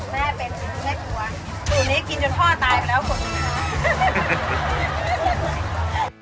สูตรนี้กินจนพ่อตายไปแล้วขนมิดหน่า